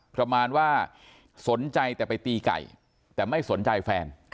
ประมาณว่าสนใจแต่ไปตีไก่แต่ไม่สนใจแฟน